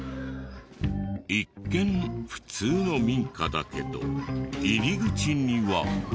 一見普通の民家だけど入り口には。